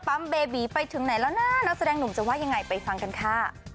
เบบีไปถึงไหนแล้วนะนักแสดงหนุ่มจะว่ายังไงไปฟังกันค่ะ